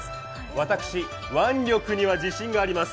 私、腕力には自信があります。